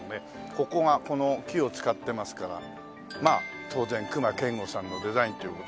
ここがこの木を使ってますからまあ当然隈研吾さんのデザインという事で。